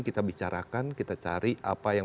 kita bicarakan kita cari apa yang